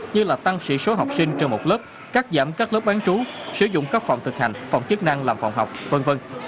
như là tăng sĩ số học sinh trên một lớp cắt giảm các lớp bán trú sử dụng các phòng thực hành phòng chức năng làm phòng học v v